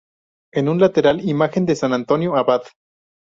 En un lateral, imagen de San Antonio Abad.